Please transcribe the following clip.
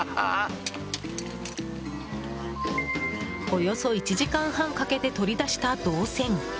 およそ１時間半かけて取り出した銅線。